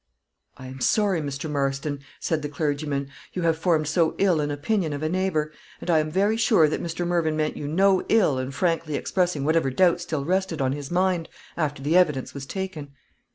"I am sorry, Mr. Marston," said the clergyman, "you have formed so ill an opinion of a neighbor, and I am very sure that Mr. Mervyn meant you no ill in frankly expressing whatever doubts still rested on his mind, after the evidence was taken."